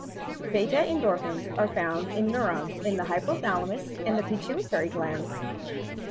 Beta-endorphins are found in neurons in the hypothalamus and the pituitary gland.